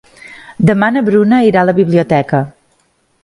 Demà na Bruna irà a la biblioteca.